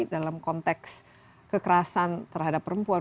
dalam konteks kekerasan terhadap perempuan